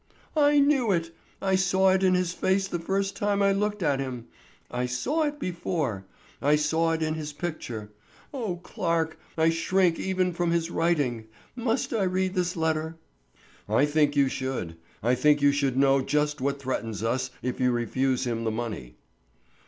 "I knew it! I saw it in his face the first time I looked at him. I saw it before. I saw it in his picture. O Clarke, I shrink even from his writing; must I read this letter?" "I think you should; I think you should know just what threatens us if you refuse him the money."